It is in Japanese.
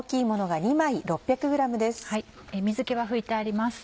水気は拭いてあります。